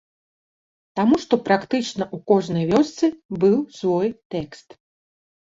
Таму што практычна ў кожнай вёсцы быў свой тэкст.